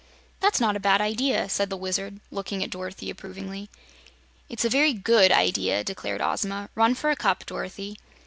"That's not a bad idea," said the Wizard, looking at Dorothy approvingly. "It's a very GOOD idea," declared Ozma. "Run for a cup, Dorothy."